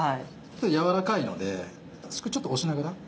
柔らかいのでちょっと押しながら。